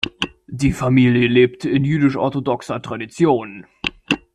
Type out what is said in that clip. Die Familie lebte in jüdisch-orthodoxer Tradition.